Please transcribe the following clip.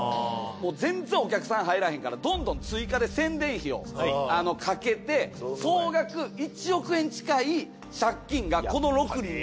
もう全然お客さん入らへんからどんどん追加で宣伝費をかけて総額１億円近い借金がこの６人にできるんですよ。